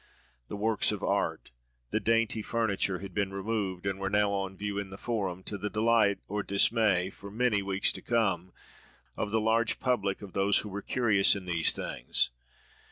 The works of art, the dainty furniture, had been removed, and were now "on view" in the Forum, to be the delight or dismay, for many weeks to come, of the large public of those who were curious in these things.